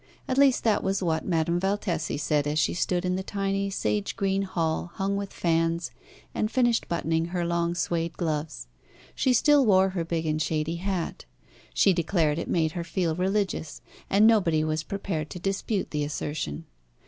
At least that was what Madame Valtesi said as she stood in the tiny, sage green hall hung with fans, and finished buttoning her long Suede gloves. She still wore her big and shady hat. She declared it made her feel religious, and nobody was prepared to dispute the assertion.